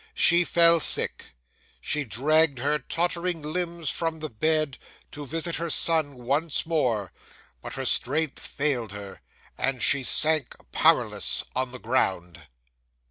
She fell sick. She dragged her tottering limbs from the bed to visit her son once more, but her strength failed her, and she sank powerless on the ground.